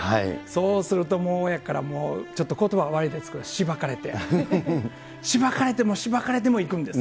そうすると、もう親からちょっとことば悪いですけれども、しばかれて、しばかれてもしばかれても行くんですよ。